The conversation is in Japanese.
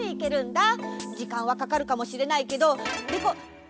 じかんはかかるかもしれないけどでこ。